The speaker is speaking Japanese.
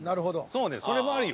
そうねそれもありよ。